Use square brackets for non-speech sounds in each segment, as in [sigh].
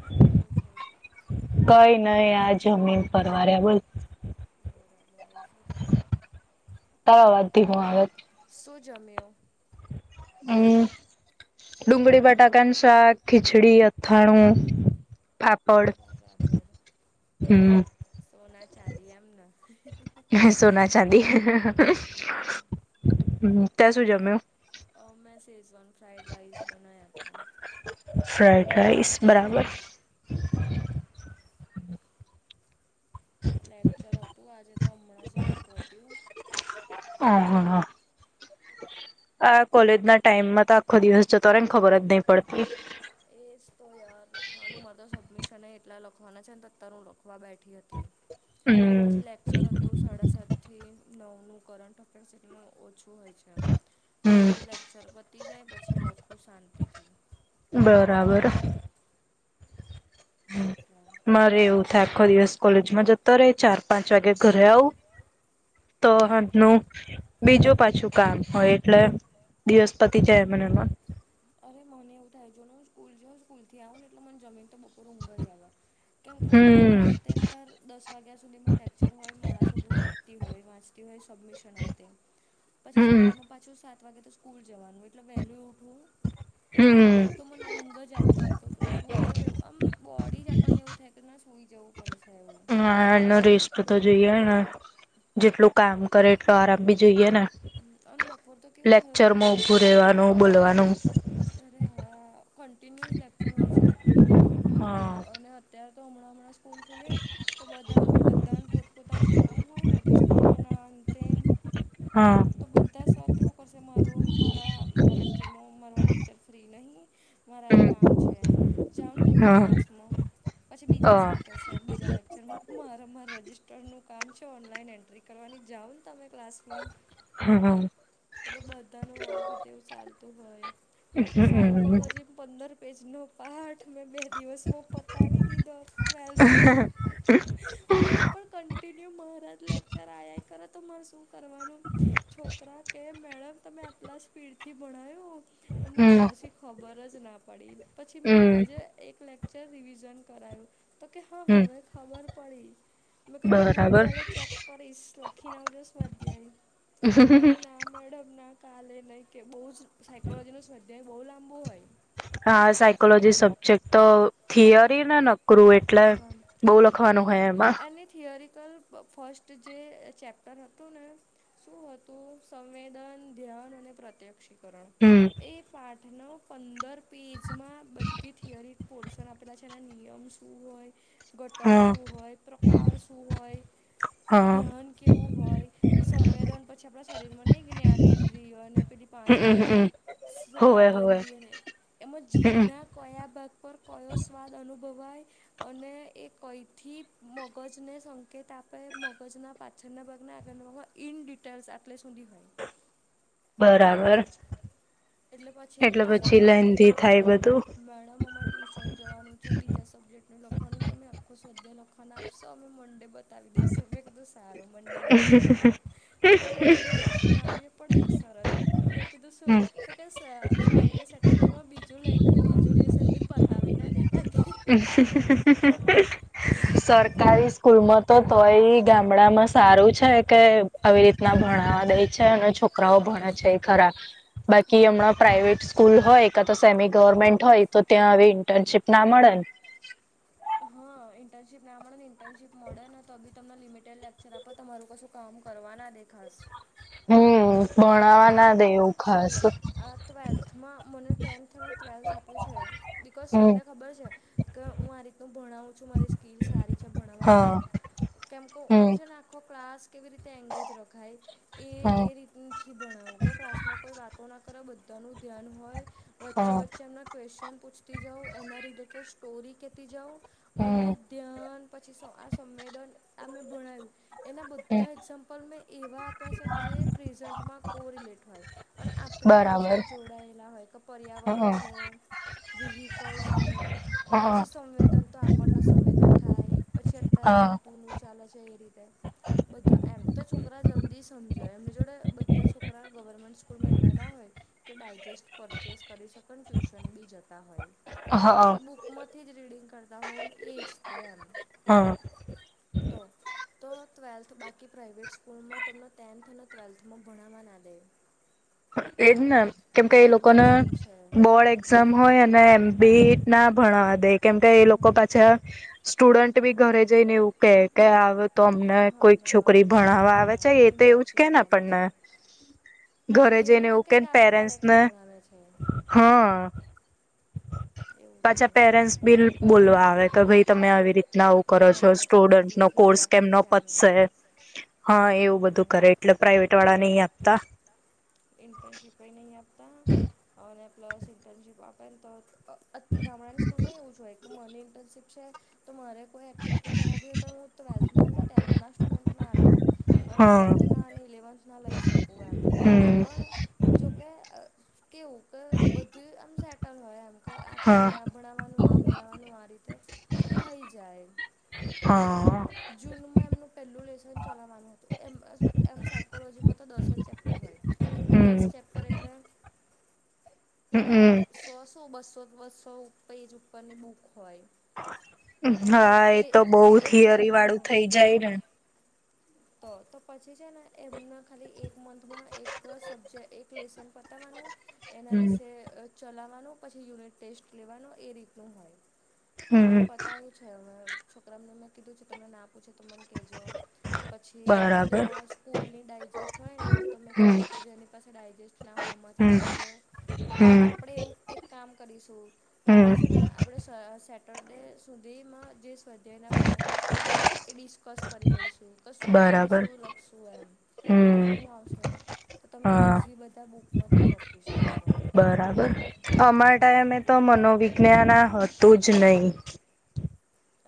હ શું કરું છું.? કઈ નહી આ જમીન પરરવાર્યા બસ. તારો આવાઝ દીમો આવેત સુું જમ્યું? [inaudible] ડુંગળી બટાકનુ શાક, ખિચડી, અથાણું, ફા ફળ, હમ તોના ચાંદી આમને. મે સોના ચાંદી, ત્યાં સુું જમ્યું? મેં સેઝવાન ફ્રઇડ રાઇસ બનાયા હતા. ફ્રઇડ રાઈસ બરાબર. લેપચર હતું આજે તો હમણાં જ હજ પહોંચ્યું. હ હા હા. આ કોલેજ ના ટાઈમમાં તો આખો દિવસ જતો હોને ખબર જ નહી પડતી. એ જ તો યાર લખવાનું મર્દ સબમિશને એટલા લખવાના છે અને તત્તરું લખવા બેઠી હતી. પછી લેક્ચર હતું સાડા સાત થી. નવનુંું કરંટ અફેર છે એટલ ઓછું હોય છે. તમે એક તો લેક્ચર પતી જાય પછી લખો શાંતિથી. બરાબર. અચ્છા. મારે એવું થાય આખો દિવસ કોલેજમાં જતો રહે ચાર પાંચ વાગે ઘરે આવું. તો હનુ બીજું પાછું કામ હોય એટલે, દિવસ્પતિ જ એમન એમ. અરે મને એવું થાય જો ને હું સ્કૂલ જાઉ સ્કૂલ થી આવું ને એટલે મને જમીનને તો બપોરે ઊંઘ જ આવે. કેમ કહ છો રાત્ર અતાર દસ વાગ્યા સુધીમાં લેક્ચર હોય મોડા સુધી હ લગતી હોય વાંચતી હોય સબમિશન રાતે. પછી સવાર પાછું સાત વાગે તો સ્કૂલ જવાનું એટલે વહેલું ઉઠવું. તો બપોર તો મને ઊંઘ જ આવી જાય. સુઈ જવ એવું આમ બોડી જ આપણને એવું થાય કે ના સુઈ જવું પડશે એવું. હા એનો રેસ્ટ તો જોઈએ ને, જેટલું કામ કરે એટલો આરામ ભી જોઈએ ને. લેક્ચરમાં ઉભું રેવાનું બોલવાનું. અરે હા કન્ટિન્યુસ લેક્ચર હોય છે. હા. અને અત્ય્યારે તો હમણાં હમણાં સ્કૂલ ખુલી. તો બધા બધા પોતપોતાનું કામ હોય રજિસ્ટર ના અંત. હા. તો બધા સરવાર કેવું કરશે મારો મારા મારા લેક્ચરમાં માર લેક્ચર ફ્રી નહીં. મારા કામ છે, જાાવ તમે આ ક્લાસમાં, પછી બીજા સર ઓકે સાહેબ બીજા લેક્ચર હું મારા મા રજજીસ્ટરનું કામ છે ઓનલાઈન એન્ટ્રી કરવાની જાઓ ને તમે. ક્લાસમાં. હા. એટલે બધાનું મારાફરથી એવું ચાલતું હોય, સાયકોલોજી પંદર પેજ નો પાઠ મેં બે દિવસ પ પતાવી દીથી દો ટ્વેલ્થમાં. અલા પણ કંન્ટિન્યુ મારત લેક્ચર આઈ કર તો માસું કરવાનું, છોકરા કે મેડમ તમે આટલા સ્પીડથી ભણાયો. અમને તો પછી ખબર જ ના પડી પછી મેં આજે એક લે ચ રિવિઝન કરાયું, તો કે હા હવે ખબર પડી. મે ક તોુંમુંઘ કા ચેક કરશ લખી નાવજ સમર્ધ આવીઈ. તો કે ના મેડમ ના કાલે નહીં કે બહુ જ સાયકોલોજીનું સ્વાધ્યાય બહુ લાંબું હોય. હા સાયકોલોજી સબ્જેક્ટ તો થિયરી ને નકરું એટલે. બહુ લખવાનું હોય એમાં. એની થિયોરિકલ ફસ્ટ જે ચેપ્ટર હતું ને. શું હતું સંવેદન ધ્યાન અને પ્રત્યક્ષીકરણ. હમ. એ પાઠનો પંદર પેજમાં બધી થિયરી પોર્શન આપેલા છે એના નિયમ્સ. શું હોય ઘટક શું હોય પ્રકાર શું હોય. ધ્યાન કેવું હોય. સંવેદન પછી આપણા શરીર માં નને જ્ઞા ઇન્દ્રિયો અને પેલી પાંચ ઇન્દ્રિયો સવાદ એન્દ્રીય. અને એમાં જીભના કયા ભાગ પર કયો સ્વાદ અનુભવાય અને એ કઈથી. મગજને સંકેત આપે મગજના પાછળના ભાગના આગળના ભાગમાં ઇન ડિટેલ્સ આટલે શોધી હોય. બરાબર. એટલે પછી એક તો છોકરા કે મેડમ માટે. ટ્યુશન જવાનું છે બીજા સબ્જેક્ટ ન લખવાનું તમે આખુંશ વધ્યા લખવાના આપશો અમે મંડે બધ પી દઈશું એક દ. સારું મંડે લખીને આવજો તો કે મંડે લખીને આવીએ પણ એક સરસ મે કીઘુ સુ. તો કે સ ફ્રઇડે સેટરડેમાં બીજું લે બીજું લેસન બી પતાવી ના દેતા કે. સરકારી સ્કૂલમાં તો તોય ગામડામાં. સારું છે કે આવી રીતના ભણવા દે છે અને છોકરાઓ ભણે છે ખરા. બાકી હમણાં પ્રાાઈવેટ સ્કૂલ હોય કા તો સેમી ગવર્મેન્ટ હોય તો ત્યાં હવે ઇન્ટર્નશીપ ના મળે હા ઇન્ટર્નશીપ ના મળે ને ઇન્ટર્નશીપ મળે ને તો બી તમને લિમિટેડ લેક્ચર આપે તમારુંશું. કામ કરવાના દેખાશ હમ આ તો ચલ આ ટ્વેલ્થમાં મને ટેન્થ અને ટ્વેલ્થ આપ્યું છે. બિકોઝ સરને ખબર છે કે હું આ રીતનું ભણાવું છું મારી સ્કીિલ સારી છે ભણાવવાની એમ કેમ કો હુ છે ને આખો ક્લાસ કેવી રીતે એંગેજ રખાય એ એ રીત નથી ભણાવુ કે ક્લાસમાં કોઈ વાતો ના કરે બધાનું ધ્યાન હોય વચ્ચે વચ્ચે એમને ક્વેશ્ચન પૂછતી જાઉં એના રિલેટેડ સ્ટોરી કહેતી જાઉં અને ધ્યાન પછી સ આ સંવેદન આ મે ભણાયૂ એના બધા એક્ઝામ્પલ મેં એવા આપ્યા છે જે પ્રેઝન્ટમાં કો રિલેટ હોય અને આપણી લાઈફથી જોડાયેલા હોય કે પર્યાવરણ છે. વહીિકલ છે પછી સંવેદન તો આપણને સંવેદન થાય પછી અત્યારે ઋતુનું ચાલે છે એ રીતે બધા એમ તો છોકરા જલ્દી સમજાય એમની જોડે બ બધા છોકરા ગવર્મેન્ટ સ્કૂલમાં એવાં ન હોય કે ડાયજેસ્ટ પરચેસ કરી શક ન ટ્યુશન બી જતા હોય એ બુક માંથી જ રીડિંગ કરતા હોય ઈજ તેમ હા- તો તો ટ્વેલ્થ બાકી પ્રાઈવેટ સ્કૂલમાં તમને ટેન્થ અને ટ્વેલ્થમાં ભણાવાના દેઈ એજ ને એમ કેમ કે એ લોકો ના બોર્ડ એક્ઝામ હોય ને એમ બી ના ભણાવા દે કેમકે એ લોકો પાછા. સ્ટુડન્ટ બી ઘરે જઈને એવું કે કે આવ તો અમને કોઈક છોકરી ભણાવવા આવે છે એ તે એવું જ કે આપણને. ઘરે જઈને એવું કે પેરેન્ટસ ને, હ. એવું થાય. પેરેન્ટ્સ બીલ બોલવા આવે કે ભાઈ તમે આવી રીતે ના આવું કરો છો સ્ટુડન્ટ નો કોર્સ કેમ ન પતશે. હા એવું બધું કરે એટલે પ્રાઈવેટ વાળા નહી આપતા. ઇન્ટર્નશીપ નહીં આપતા, અને પ્લસ ઇન્ટર્નશીપ આપેલ તો અ ગામડાની સ્કૂલમાં એવું જ હોએ કે મની ઇન્ટર્નશીપ છે, તો મારે કોઈ એક્ટિવિટી કરાવવી હોય તો ટ્વેલ્થના અને ટેન્થના સ્ટુડન્ટ ના લઉં, અને નાઇન્થ ના અને ઇલેવન્થના લઈ શકું એમ. પણ જોકે કેવું કે બધું આમ સેટલ હોય એમ. ક આ ટાઈમે આ ભણાવવાનું આ ભણાવવાનું આ રીતે, તો થઈ જાય. હ. જૂનમાં એમનું પહેલું લેસન ચલાવાનું હતું એમ એ એમ સાયકોલોજીમાં તો દસ જ ચેપ્ટર હોય. પણ દસ ચેપ્ટર એટલે, અ સો- શું બસો બસો બસો પેજ ઉપરની બુક હોય. તો એક પે એક લે હા. તો તો પછી છે ને એમને ખાલી એક મંથમાં એક સબ્જેક્ એક લેસન પતાવવાનું, એના વિશે ચલાવવાનુ પછી યુનિટ ટેસ્ટ લેવાનો એ રીતનું હોય, તો મેં પતાય્યું છે અ છોકરાને મેં કીધું છે કે તમને ના આપ પૂછે તો મને કેજો પછી ત્યાં સ્કૂલની ડાયજેસ્ટ હોય ને તમે કીધું કે જેની પાસે ડાયજેસ્ટ ના હોય એમાંથી લખજો ક્યા તો આપણેે એવું કામ કરીશું, કાલે છે ને આપણે સ સેટરડે સુધીમાં જે ધ્યાના બધા ક્વેશચન છે ને એ ડિસ્કસ કરી લઈશું કે શું છે શું લખશું એમ. તેમનું આવશે, તો તમે ઇઝી બધા બુકમાંથી લખી શકશો. બરાબર, અમારા ટાઈમે તો મનોવિજ્ઞાન આ હતું જ નહી.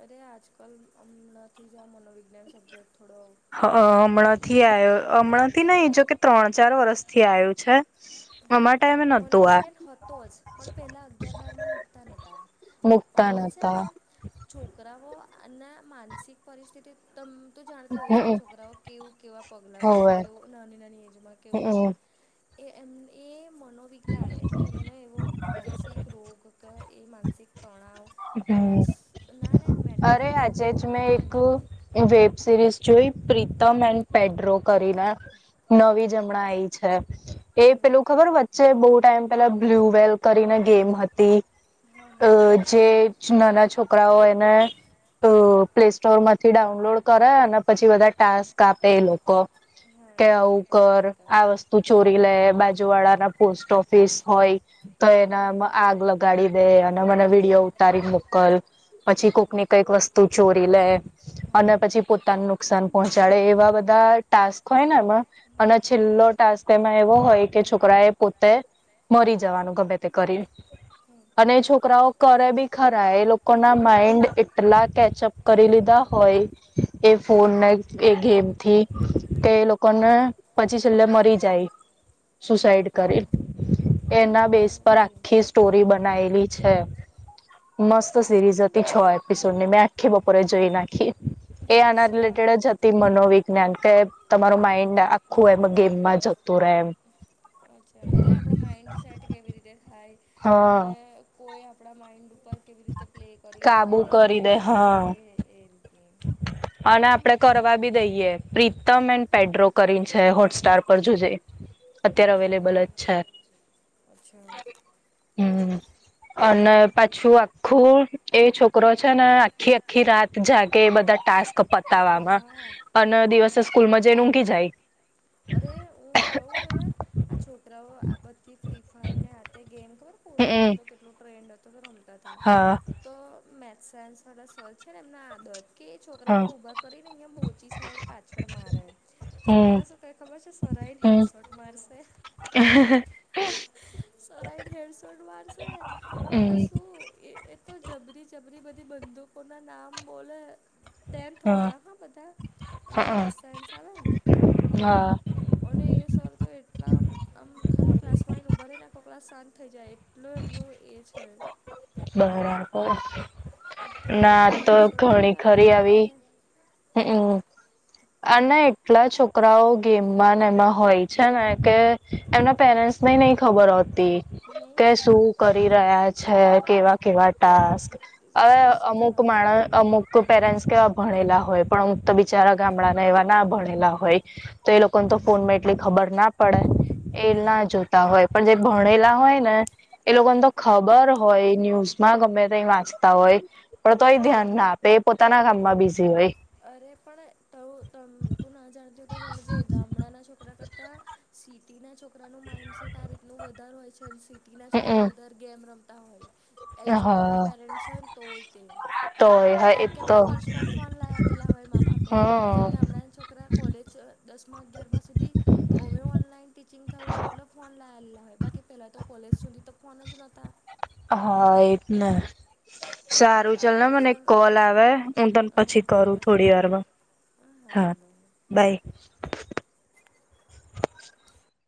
અરે આજકાલ હમણાં થી જ આ મનોવિજ્ઞાન સબ્જેક્ટ થોડો હ હમણાંથી આવ્યો હમણાંથી નઇ જો કે ત્રણ ચાર વરષ થી આવ્યું છે. અમાર ટાઈમે મનોવિજ્ઞાન હતો જ, પણ પહેલા અગિયાર બારમાં મૂકતા નતા. પણ અમે છે ને છોકરાઓ ના માનસિક પરિસ્થિતિ તમ તો જાણતી હોઈશ કે છોકરાઓ કેવું કેવાં પગલાં ભરેને કેવું નાની - નાની એજમાં કેવું કરે. એ એમ એ મનોવિકાર એટલે એમનો એવો માનસિક રોગ ક કે એ માનસિક તણાવ, ટ્ર્રેસ. ના લે ને મેન્ટાલિટી એમને એવું ના થાય ને. વેબ સિરીઝ જોઈ. પ્રીતમ એન્ડ પેડ્રો કરીને, નવી જ મણા આયી. છે, એ પેલું ખબર વચ્ચે બવ ટાઈમ પેલા બ્લુ વલ કરીને ગેમ હતી. અ જે નાના છોકરાઓ એને અ પ્લે સ્ટોર માંથી ડાઉનલોડ કરે અને પછી બધા ટાસ્ક આપે એ લોકો. કે આવું કર આ વસ્તુ તું ચોરી લે બાજુવાળા ના પોસ્ટ ઓફિસ હોય. તો એના માં આગ લગાડી દે અને મને વિડીયો ઉતારી મોકલ, પછી કોકની વસ્તુ ચોરી લે, અને પછી પોતાનું નુકસાન પહોંચાડે એવા બધા ટાસ્ક હોય ને એમાં, અને છેલ્લો ટાસ્ક તેમાં એવો હોય કે છોકરા એ પોતે મરી જવાનું ગમે તે કરી, અને છોકરાઓ કરે બી ખરા એ લોકો ના માઈન્ડ એ ટલા કેચઅપ કરી લીધા હોય. એ ફોનને એ ગેમ થી, ક લોકોને પછી છેલ્લે મરી જાય. સુસાઈડ કરે, એના બેસ પર આખી સ્ટોરી બનાયેલી છે. મસ્ત સિરીઝ હતી છય. એપિસોડ ની મેં આખી બપોરે જોઈ નાખી એ આનારિલેટેડ જ હતી. મનોવિજ્ઞાન કે તમારું માઈન્ડ આખું એમ ગેમમાં જતું રહે એમ. અચ્છા એટલે આપણો માઇન્ડ સેટ કેવી રીતે થાય, અને કોઈ આપણા માઇન્ડ ઉપર કેવી રીતે પ્લે કરી શકે લ હા એ એ રીતે અને આપડે કરવા બી દઈએ. પ્રીતમ એન્ડ પેડ્રો કરીને છે. હોટસ્ટાર પર જોજે. અત્યારે અવેલેબલ જ છે. હમ અને પાછું આ ખું એ છોકરો છે ને આખી આખી રાત જાગે એ બધા ટાસ્ક પ તાવામાં અને દિવસે સ્કૂલ માં જઈને ઊંઘી જાય. અરે હું કહું ને આ છોકરાઓ આ બધી ફ્રી ફાયર ને આતે ગેમ કર કોરોનામાં તો કેટલો ટ્રેન્ડ હતું. તો રમતા હતા. તો મેથ્સ, સાયન્સ વાળા સોલ છે ને એમના આદત કે છોકરાઓને ઊભા કરીને અહીંયા બોચી સાઈડ પાછળ મારે, છોકરા સ ખબર છે સર આઈને હેડસોટ મારશે. સર આઈને હેડશોટ મારશે અને તું એ એ તો જબરી જબરી બધી બંદૂકોના નામ બોલે. ટેન્થ વાળા હા બધા. એમને મેથસ, સાયન્સ આવે ને તો અને એ સર તો એટલા, આમ આમ ખાલી ક્લાસમાંઈને ઉભા રહી ને આખો ક્લાસ શાંત થઈ જાય. એટલું એમનું એ છે. બરાબર ના તો ઘણી ખરી આવી. હમમ અને એટલા છોકરાઓ ગેમમાં ને એમાં હોય છે ને કે એમના પેરેન્ટસને નહિ ખબર હોતી. તી કે શું કરી રહ્યા છે? કેવા કેવા ટાસ્ક. હવે અમુક માણસ અમુક પેરેન્ટ્સ કેવા ભણેલા હોય, હોય પણ હ અમુક તો બિચારા ગામડાના એવા ના ભણેલા હોય. તો એ લોકોને તો ફોનમાં એટલી ખબર ના પડે? એ ના જોતા હોય પણ જે ભણેલા હોય ને એ લોકોને તો ખબર હોય, ન્યૂઝમાં ગમે ત્યા વાંચતા હોય પણ તોય ધ્યાન ના આપે, એ પોતાના કામમાં બીઝી હોય. અરે પણ ત ત તું ના જાણતી હું તો જાણજે ગામડાના છોકરા કરતા સિટી ના છોકરા ન માઈન્ડસેટ આ રીતનો વધારે હોય છે. અને સિટી ના છોકરા વધારે ગેમ રમતા હોય. એજ્યુકેટેડ પેરેન્ટ હોય ને તો ય તે કેમ કેમના પર્સનલ ફોન લાય આપ આપેલા હોય મા બાપે, જ્યારે ગામડાના છોકરા કોલેજ દસમા અગિયારમા સુધી અમે ઓનલાઈન ટીચિંગ થવું એટલો ફોન લાવેલા હોય, બાકી પેલા તો કોલેજ સુધી તો ફોન જ નતા. હા એ જ ને, સારું ચલ ને મને એક કોલ આવે હું તને પછી કરું થોડી વારમાં. હા હા વાંધ નય. બાય,